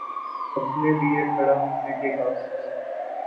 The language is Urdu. اپنے لیے کھڑا ہونے کے قابل ہوں